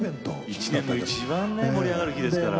１年の一番盛り上がる日ですから。